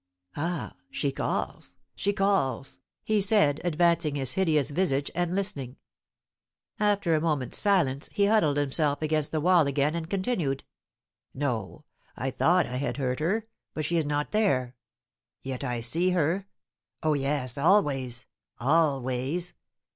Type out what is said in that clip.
Ah, she calls she calls!" he said, advancing his hideous visage and listening. After a moment's silence he huddled himself against the wall again and continued: "No! I thought I had heard her; but she is not there. Yet I see her; oh, yes, always always!